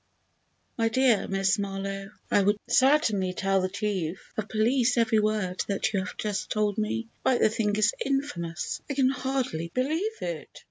"My dear Miss Marlowe, I would certainly tell the Chief of Police every word that you have just told me! Why the thing is infamous! I can hardly believe it!"